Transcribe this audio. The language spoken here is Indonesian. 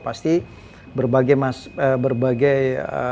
pasti berbagai mas berbagai